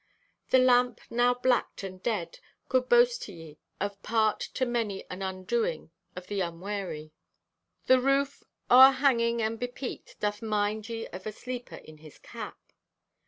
The lamp, now blacked and dead, could boast to ye of part to many an undoing of the unwary. The roof, o'er hanging and bepeaked, doth 'mind ye of a sleeper in his cap.